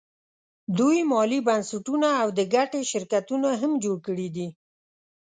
دوی مالي بنسټونه او د ګټې شرکتونه هم جوړ کړي دي